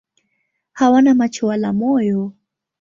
Hawana macho wala moyo.